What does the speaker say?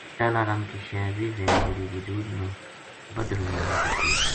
پہلا رنگ کی شے ویہ وھے جہڑی وجود نا بدھن ما مدد دیئے